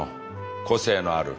個性のある。